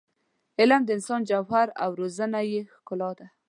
علم د انسان جوهر او روزنه یې ښکلا ده.